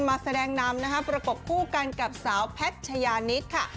มาแสดงนำนะคะประกบคู่กันกับสาวแพทยานิดค่ะ